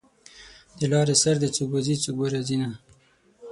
د لارې سر دی څوک به ځي څوک به راځینه